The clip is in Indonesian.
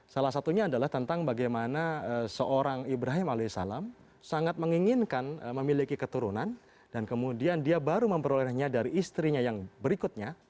salah satunya adalah tentang bagaimana seorang ibrahim alih salam sangat menginginkan memiliki keturunan dan kemudian dia baru memperolehnya dari istrinya yang berikutnya